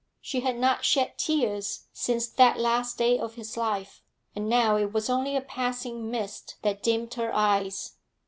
She had not shed tears since that last day of his life, and now it was only a passing mist that dimmed her eyes.